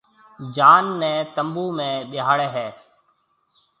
جان نيَ تنبوُ ۾ ٻيھاݪيَ ھيََََ